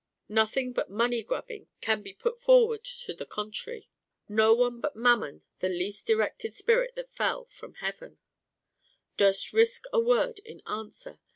Nothing but money grubbing can be put forward to the contrary; no one but Mammon, the least erected spirit that fell From Heaven, durst risk a word in answer.